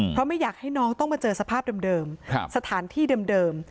เพราะไม่อยากให้น้องต้องมาเจอสภาพเดิมสถานที่เดิม